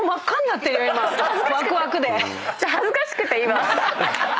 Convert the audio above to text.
恥ずかしくて今。